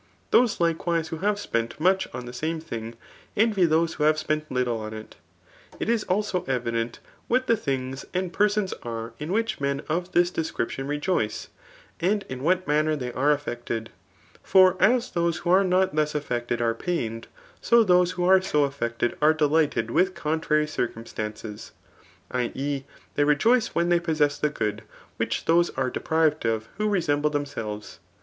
Those likewise who have spent much on the same thing, envy those who have ^sp^nt little on it. It is ^ilsd evident what the things and persons are in^whicbmen of this ddsoriptipn rejoice, smd m what' manner they are slffecibed. For as those who a^re notcthus affectedare pained, so' those who are so affected are deEghfed with contrary circuntfitance^, [i. e. theyTejoicei; ^hevi they possess the good which those aredeprived of who ce8end>ie themselves.